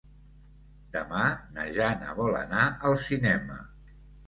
Demà na Jana vol anar al cinema.